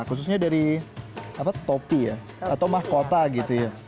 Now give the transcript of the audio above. khususnya dari topi ya atau mahkota gitu ya